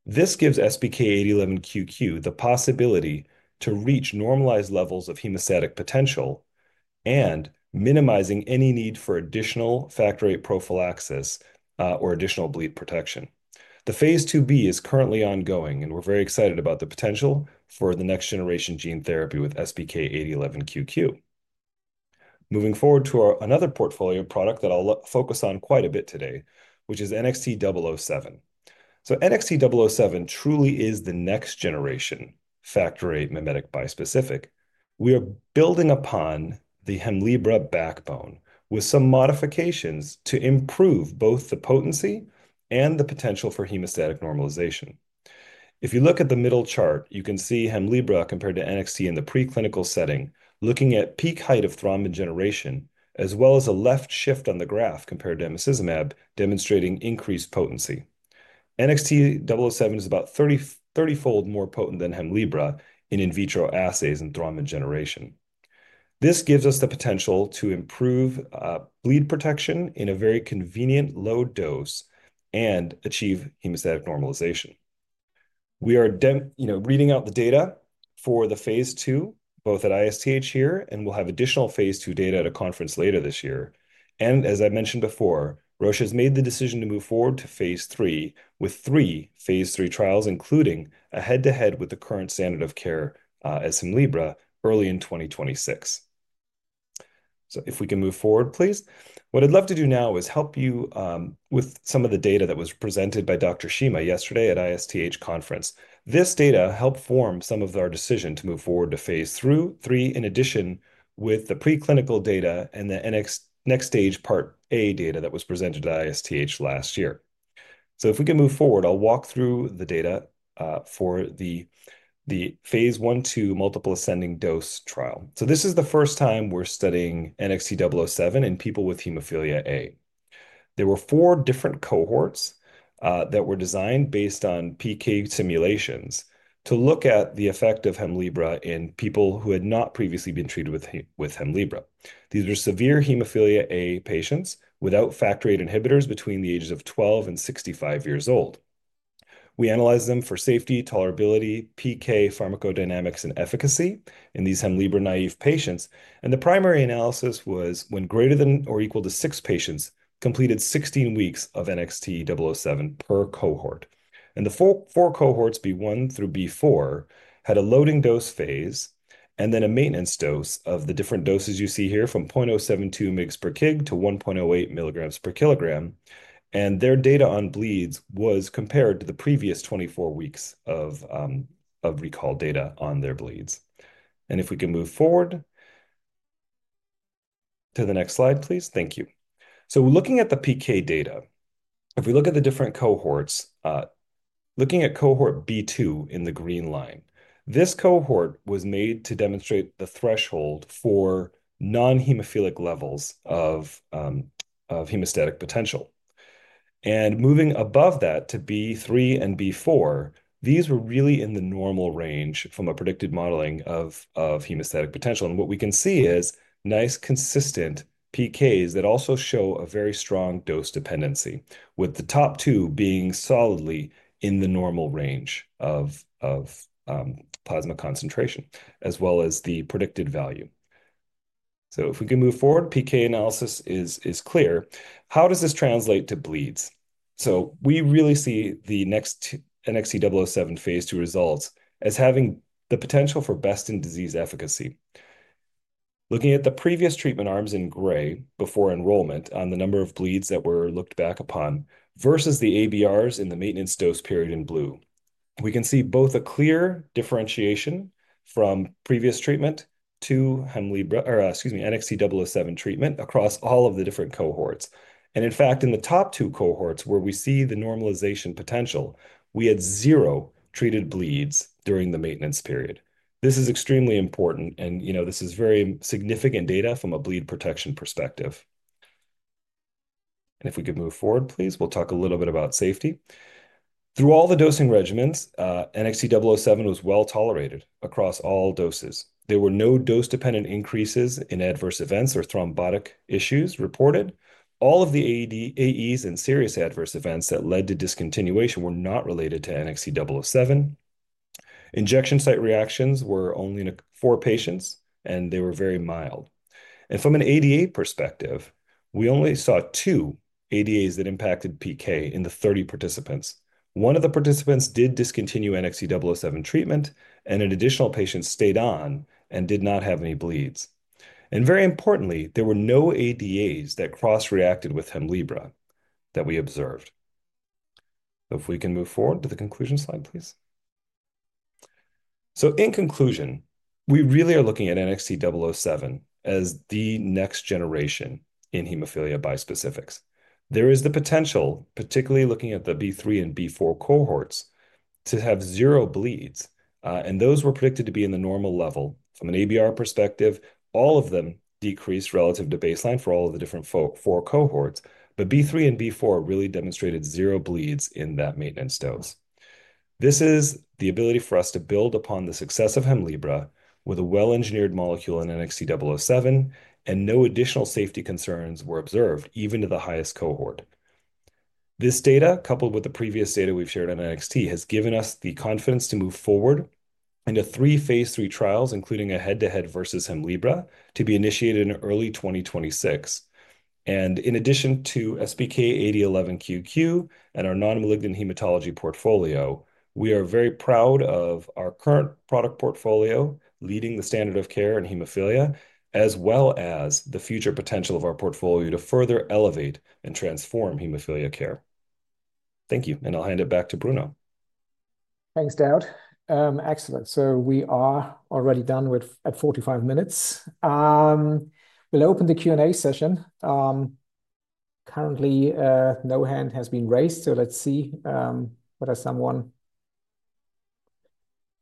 This gives SBK8011QQ the possibility to reach normalized levels of hemostatic potential and minimizing any need for additional factor VIII prophylaxis or additional bleed protection. The phase II B is currently ongoing, and we're very excited about the potential for the next generation gene therapy with SBK8011QQ. Moving forward to another portfolio product that I'll focus on quite a bit today, which is NXT007. NXT007 truly is the next generation factor VIII memetic bispecific. We are building upon the Hemlibra backbone with some modifications to improve both the potency and the potential for hemostatic normalization. If you look at the middle chart, you can see Hemlibra compared to NXT in the preclinical setting, looking at peak height of thrombin generation, as well as a left shift on the graph compared to emicizumab, demonstrating increased potency. NXT007 is about 30-fold more potent than Hemlibra in in vitro assays and thrombin generation. This gives us the potential to improve bleed protection in a very convenient low dose and achieve hemostatic normalization. We are reading out the data for the phase II, both at ISTH here, and we'll have additional phase II data at a conference later this year. As I mentioned before, Roche has made the decision to move forward to phase III with three phase III trials, including a head-to-head with the current standard of care as Hemlibra early in 2026. If we can move forward, please. What I'd love to do now is help you with some of the data that was presented by Dr. Shima yesterday at ISTH conference. This data helped form some of our decision to move forward to phase III, in addition with the preclinical data and the next stage part A data that was presented at ISTH last year. If we can move forward, I'll walk through the data for the phase I two multiple ascending dose trial. This is the first time we're studying NXT007 in people with hemophilia A. There were four different cohorts that were designed based on PK simulations to look at the effect of Hemlibra in people who had not previously been treated with Hemlibra. These were severe hemophilia A patients without factor VIII inhibitors between the ages of 12 and 65 years old. We analyzed them for safety, tolerability, PK, pharmacodynamics, and efficacy in these Hemlibra naive patients. The primary analysis was when greater than or equal to six patients completed 16 weeks of NXT007 per cohort. The four cohorts, B1 through B4, had a loading dose phase and then a maintenance dose of the different doses you see here from 0.072 mg per kg to 1.08 mg per kg. Their data on bleeds was compared to the previous 24 weeks of recall data on their bleeds. If we can move forward to the next slide, please. Thank you. Looking at the PK data, if we look at the different cohorts, looking at cohort B2 in the green line, this cohort was made to demonstrate the threshold for non-hemophilic levels of hemostatic potential. Moving above that to B3 and B4, these were really in the normal range from a predicted modeling of hemostatic potential. What we can see is nice, consistent PKs that also show a very strong dose dependency, with the top two being solidly in the normal range of plasma concentration, as well as the predicted value. If we can move forward, PK analysis is clear. How does this translate to bleeds? We really see the next NXT007 phase II results as having the potential for best in disease efficacy. Looking at the previous treatment arms in gray before enrollment on the number of bleeds that were looked back upon versus the ABRs in the maintenance dose period in blue, we can see both a clear differentiation from previous treatment to Hemlibra or, excuse me, NXT007 treatment across all of the different cohorts. In fact, in the top two cohorts where we see the normalization potential, we had zero treated bleeds during the maintenance period. This is extremely important, and you know this is very significant data from a bleed protection perspective. If we could move forward, please, we'll talk a little bit about safety. Through all the dosing regimens, NXT007 was well tolerated across all doses. There were no dose-dependent increases in adverse events or thrombotic issues reported. All of the AEs and serious adverse events that led to discontinuation were not related to NXT007. Injection site reactions were only in four patients, and they were very mild. From an ADA perspective, we only saw two ADAs that impacted PK in the 30 participants. One of the participants did discontinue NXT007 treatment, and an additional patient stayed on and did not have any bleeds. Very importantly, there were no ADAs that cross-reacted with Hemlibra that we observed. If we can move forward to the conclusion slide, please. In conclusion, we really are looking at NXT007 as the next generation in hemophilia bispecifics. There is the potential, particularly looking at the B3 and B4 cohorts, to have zero bleeds, and those were predicted to be in the normal level. From an ABR perspective, all of them decreased relative to baseline for all of the different four cohorts, but B3 and B4 really demonstrated zero bleeds in that maintenance dose. This is the ability for us to build upon the success of Hemlibra with a well-engineered molecule in NXT007, and no additional safety concerns were observed even to the highest cohort. This data, coupled with the previous data we've shared on NXT, has given us the confidence to move forward into three phase III trials, including a head-to-head versus Hemlibra, to be initiated in early 2026. In addition to SBK8011QQ and our non-malignant hematology portfolio, we are very proud of our current product portfolio leading the standard of care in hemophilia, as well as the future potential of our portfolio to further elevate and transform hemophilia care. Thank you, and I'll hand it back to Bruno. Thanks, Daud. Excellent. We are already done with at 45 minutes. We'll open the Q&A session. Currently, no hand has been raised, so let's see whether someone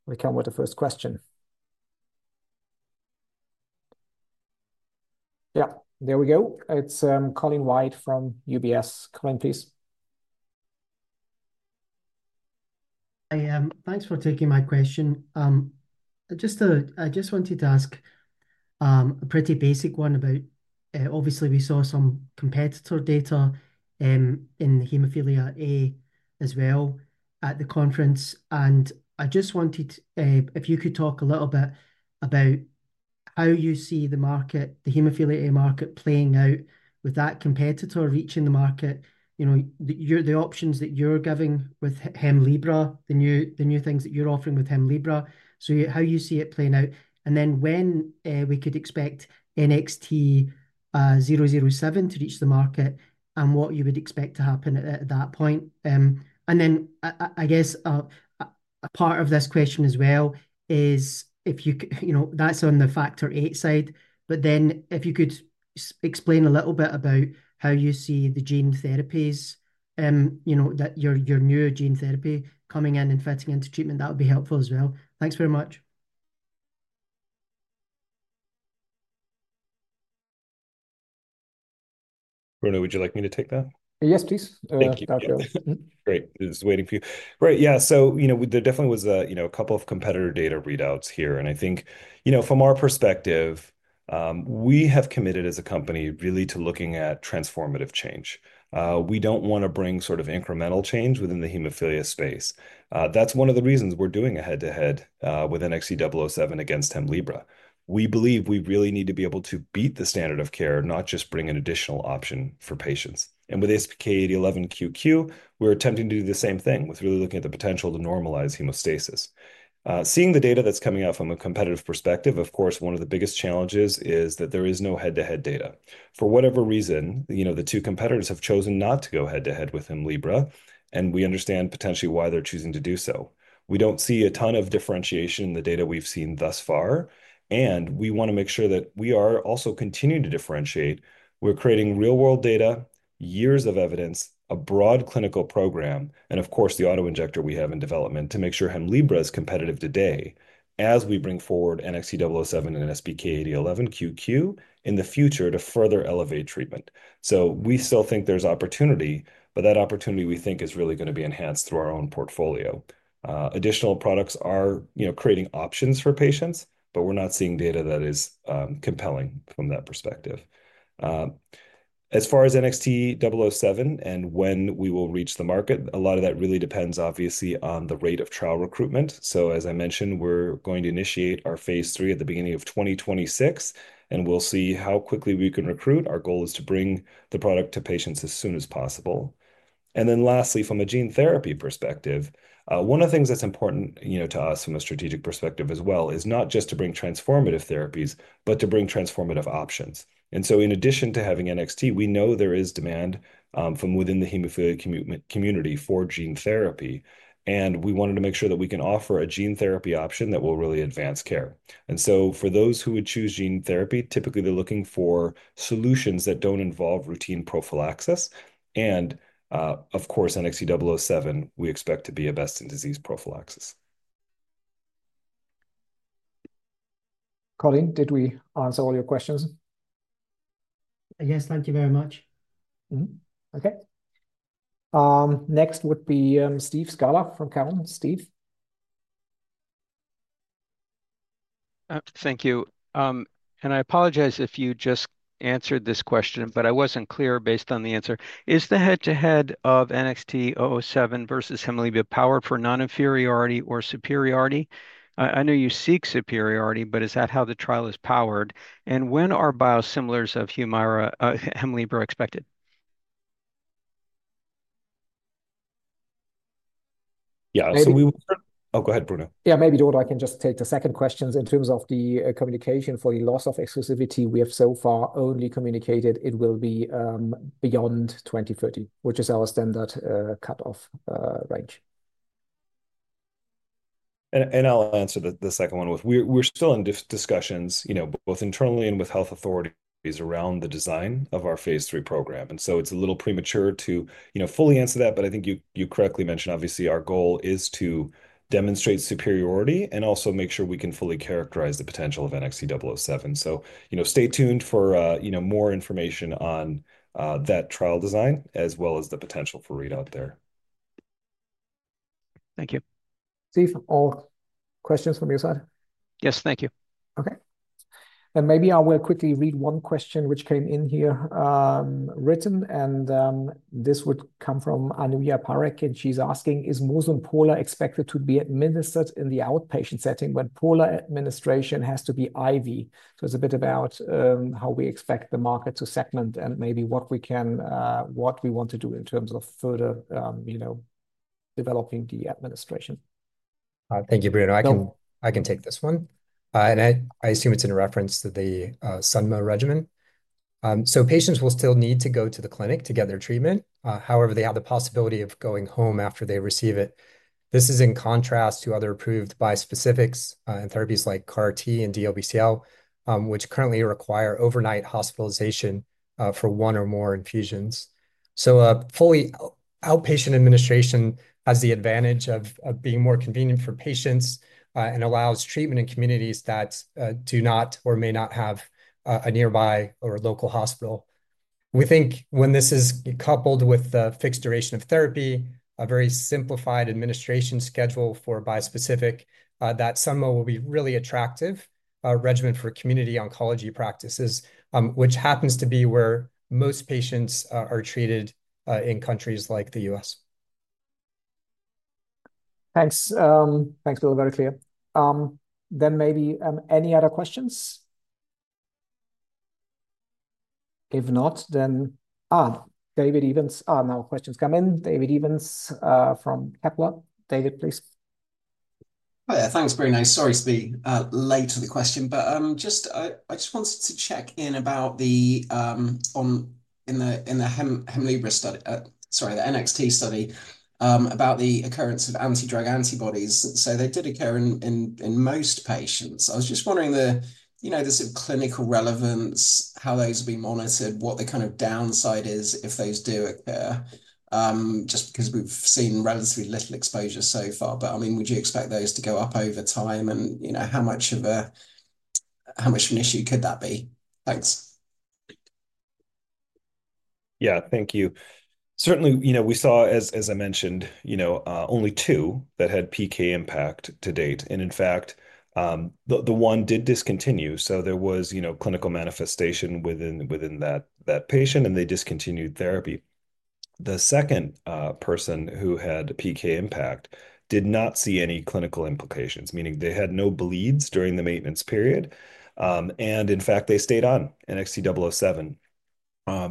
will come with the first question. Yeah, there we go. It's Colin White from UBS. Colin, please. Hi, thanks for taking my question. I just wanted to ask a pretty basic one about, obviously, we saw some competitor data in hemophilia A as well at the conference, and I just wanted if you could talk a little bit about how you see the market, the hemophilia A market playing out with that competitor reaching the market, you know, the options that you're giving with Hemlibra, the new things that you're offering with Hemlibra, how you see it playing out, and then when we could expect NXT007 to reach the market and what you would expect to happen at that point. I guess a part of this question as well is if you, you know, that's on the factor VIII side, but then if you could explain a little bit about how you see the gene therapies, you know, that your new gene therapy coming in and fitting into treatment, that would be helpful as well. Thanks very much. Bruno, would you like me to take that? Yes, please. Thank you. Great. This is waiting for you. Great. Yeah. You know, there definitely was a couple of competitor data readouts here, and I think, you know, from our perspective, we have committed as a company really to looking at transformative change. We do not want to bring sort of incremental change within the hemophilia space. That is one of the reasons we are doing a head-to-head with NXT007 against Hemlibra. We believe we really need to be able to beat the standard of care, not just bring an additional option for patients. With SBK8011QQ, we're attempting to do the same thing with really looking at the potential to normalize hemostasis. Seeing the data that's coming out from a competitive perspective, of course, one of the biggest challenges is that there is no head-to-head data. For whatever reason, you know, the two competitors have chosen not to go head-to-head with Hemlibra, and we understand potentially why they're choosing to do so. We do not see a ton of differentiation in the data we've seen thus far, and we want to make sure that we are also continuing to differentiate. We're creating real-world data, years of evidence, a broad clinical program, and of course, the auto injector we have in development to make sure Hemlibra is competitive today as we bring forward NXT007 and SBK8011QQ in the future to further elevate treatment. We still think there's opportunity, but that opportunity we think is really going to be enhanced through our own portfolio. Additional products are, you know, creating options for patients, but we're not seeing data that is compelling from that perspective. As far as NXT007 and when we will reach the market, a lot of that really depends, obviously, on the rate of trial recruitment. As I mentioned, we're going to initiate our phase III at the beginning of 2026, and we'll see how quickly we can recruit. Our goal is to bring the product to patients as soon as possible. Lastly, from a gene therapy perspective, one of the things that's important, you know, to us from a strategic perspective as well is not just to bring transformative therapies, but to bring transformative options. In addition to having NXT, we know there is demand from within the hemophilia community for gene therapy, and we wanted to make sure that we can offer a gene therapy option that will really advance care. For those who would choose gene therapy, typically they're looking for solutions that don't involve routine prophylaxis. Of course, NXT007, we expect to be a best in disease prophylaxis. Colin, did we answer all your questions? Yes, thank you very much. Okay. Next would be Steve Scala from Cowen. Steve. Thank you. I apologize if you just answered this question, but I wasn't clear based on the answer. Is the head-to-head of NXT007 versus Hemlibra powered for non-inferiority or superiority? I know you seek superiority, but is that how the trial is powered? And when are biosimilars of Hemlibra expected? Yeah, so we will—oh, go ahead, Bruno. Yeah, maybe, Daud, I can just take the second question. In terms of the communication for the loss of exclusivity, we have so far only communicated it will be beyond 2030, which is our standard cut-off range. I will answer the second one with—we're still in discussions, you know, both internally and with health authorities around the design of our phase III program. It is a little premature to, you know, fully answer that, but I think you correctly mentioned, obviously, our goal is to demonstrate superiority and also make sure we can fully characterize the potential of NXT007. You know, stay tuned for, you know, more information on that trial design as well as the potential for readout there. Thank you. Steve, all questions from your side? Yes, thank you. Okay. Maybe I will quickly read one question which came in here, written, and this would come from Anuya Parekh, and she's asking, is muslin polar expected to be administered in the outpatient setting when polar administration has to be IV? It is a bit about how we expect the market to segment and maybe what we can, what we want to do in terms of further, you know, developing the administration. Thank you, Bruno. I can—I can take this one. I assume it's in reference to the SUNMO regimen. Patients will still need to go to the clinic to get their treatment. However, they have the possibility of going home after they receive it. This is in contrast to other approved bispecifics and therapies like CAR T and DLBCL, which currently require overnight hospitalization for one or more infusions. Fully outpatient administration has the advantage of being more convenient for patients and allows treatment in communities that do not or may not have a nearby or local hospital. We think when this is coupled with the fixed duration of therapy, a very simplified administration schedule for bispecific, that somewhere will be a really attractive regimen for community oncology practices, which happens to be where most patients are treated in countries like the U.S. Thanks. Thanks for being very clear. Maybe any other questions? If not, then, ah, David Evans. Oh, now questions come in. David Evans from Kepler. David, please. Oh, yeah, thanks. Very nice. Sorry, late to the question, but I just wanted to check in about the—in the Hemlibra study, sorry, the NXT007 study about the occurrence of antidrug antibodies. They did occur in most patients. I was just wondering, you know, the sort of clinical relevance, how those are being monitored, what the kind of downside is if those do occur, just because we've seen relatively little exposure so far. I mean, would you expect those to go up over time and, you know, how much of an issue could that be? Thanks. Yeah, thank you. Certainly, you know, we saw, as I mentioned, only two that had PK impact to date. In fact, one did discontinue. There was, you know, clinical manifestation within that patient, and they discontinued therapy. The second person who had PK impact did not see any clinical implications, meaning they had no bleeds during the maintenance period. In fact, they stayed on NXT007.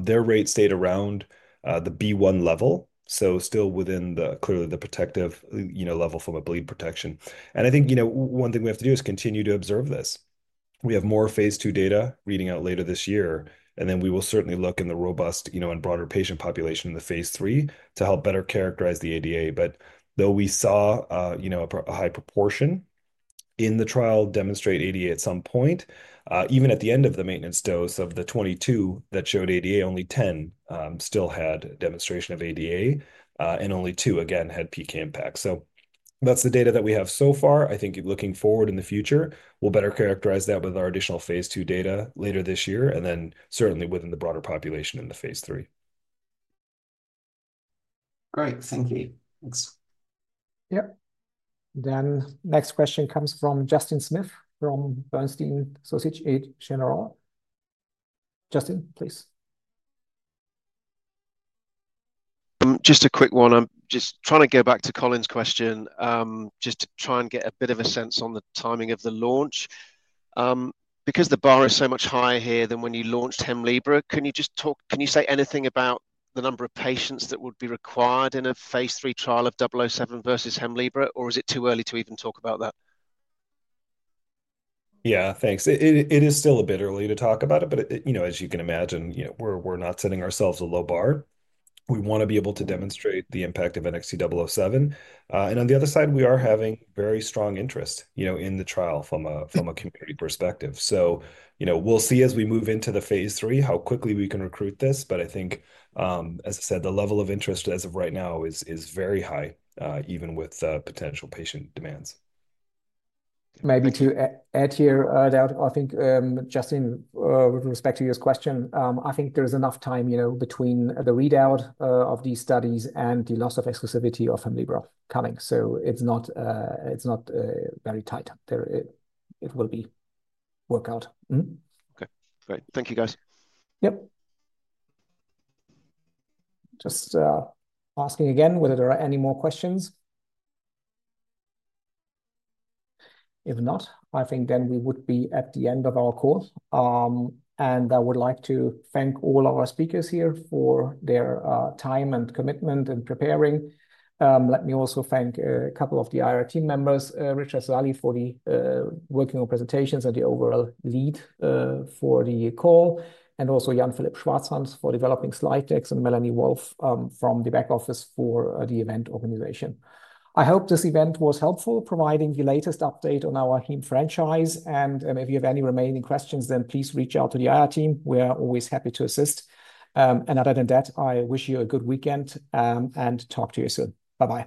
Their rate stayed around the B1 level, so still within the clearly the protective, you know, level from a bleed protection. I think, you know, one thing we have to do is continue to observe this. We have more phase II data reading out later this year, and then we will certainly look in the robust, you know, and broader patient population in the phase III to help better characterize the ADA. Though we saw, you know, a high proportion in the trial demonstrate ADA at some point, even at the end of the maintenance dose of the 22 that showed ADA, only 10 still had demonstration of ADA, and only two, again, had PK impact. That's the data that we have so far. I think looking forward in the future, we'll better characterize that with our additional phase II data later this year, and then certainly within the broader population in the phase III. Great. Thank you. Thanks. Yep. Next question comes from Justin Smith from Sanford C. Bernstein. Justin, please. Just a quick one. I'm just trying to go back to Colin's question, just to try and get a bit of a sense on the timing of the launch. Because the bar is so much higher here than when you launched Hemlibra, can you just talk—can you say anything about the number of patients that would be required in a phase III trial of NXT007 versus Hemlibra, or is it too early to even talk about that? Yeah, thanks. It is still a bit early to talk about it, but, you know, as you can imagine, you know, we're not setting ourselves a low bar. We want to be able to demonstrate the impact of NXT007. On the other side, we are having very strong interest, you know, in the trial from a community perspective. You know, we'll see as we move into the phase III how quickly we can recruit this, but I think, as I said, the level of interest as of right now is very high, even with potential patient demands. Maybe to add here, Daud, I think Justin, with respect to your question, I think there's enough time, you know, between the readout of these studies and the loss of exclusivity of Hemlibra coming. It is not very tight. It will be worked out. Okay. Great. Thank you, guys. Yep. Just asking again whether there are any more questions. If not, I think then we would be at the end of our call. I would like to thank all of our speakers here for their time and commitment and preparing. Let me also thank a couple of the IR team members, Richard Salley for working on presentations and the overall lead for the call, and also Jan-Philip Schwarzhans for developing slide decks and Melanie Wolf from the back office for the event organization. I hope this event was helpful, providing the latest update on our Heme franchise. If you have any remaining questions, then please reach out to the IR team. We are always happy to assist. Other than that, I wish you a good weekend and talk to you soon. Bye-bye.